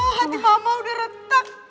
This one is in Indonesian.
hati mama udah retak